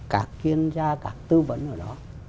các chuyên gia các tư vấn ở đó